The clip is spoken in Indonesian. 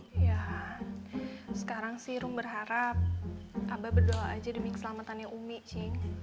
ya sekarang sih rom berharap abah berdoa aja demi keselamatan umi cing